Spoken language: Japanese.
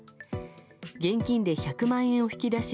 現金で１００万円を引き出し